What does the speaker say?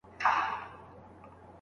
د هغوی څټ د جبرائيل د لاس لرگی غواړي